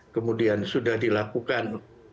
kemudian sudah dilakukan